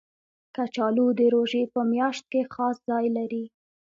کچالو د روژې په میاشت کې خاص ځای لري